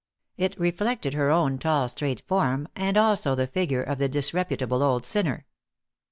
It reflected her own tall, straight form, and also the figure of the disreputable old sinner.